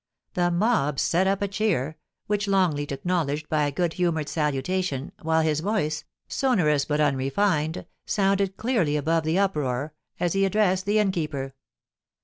The mob set up a cheer, which Longleat acknowledged by a good humoured salutation, while his voice, sonorous but unrefined, sounded clearly above the uproar, as he ad dressed the innkeeper.